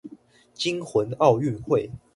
驚魂奧運會